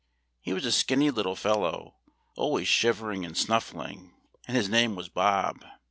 He was a skinny little fellow, always shivering and snuffling, and his name was Bob.